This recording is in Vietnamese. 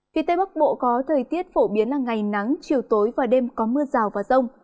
phía tây bắc bộ có thời tiết phổ biến là ngày nắng chiều tối và đêm có mưa rào và rông